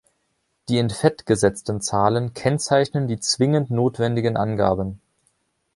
Die in fett gesetzten Zahlen kennzeichnen die zwingend notwendigen Angaben.